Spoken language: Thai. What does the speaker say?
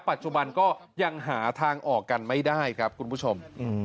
ปัจจุบันก็ยังหาทางออกกันไม่ได้ครับคุณผู้ชม